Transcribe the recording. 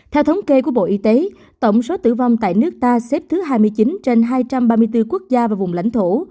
theo thống kê của bộ y tế tổng số tử vong tại nước ta xếp thứ hai mươi chín trên hai trăm ba mươi bốn quốc gia và vùng lãnh thổ